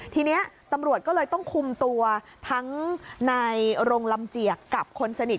ทีนี้ตำรวจก็เลยต้องคุมตัวทั้งนายรงลำเจียกกับคนสนิท